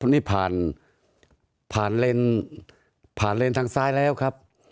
นี่ผ่านเลนทางซ้ายแล้วครับ